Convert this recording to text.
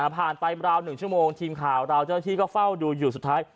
ผ่านไปราว๑ชั่วโมงทีมข่าวเราเจ้าหน้าที่ก็เฝ้าดูอยู่สุดท้าย